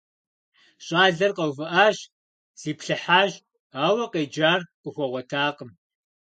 Щӏалэр къэувыӀащ, зиплъыхьащ, ауэ къеджар къыхуэгъуэтакъым.